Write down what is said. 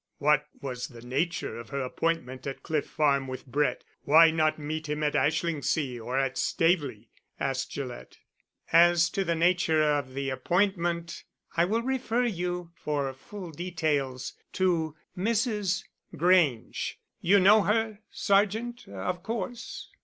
"What was the nature of her appointment at Cliff Farm with Brett? Why not meet him at Ashlingsea or at Staveley?" asked Gillett. "As to the nature of the appointment, I will refer you for full details to Mrs. Grange. You know her, sergeant, of course?"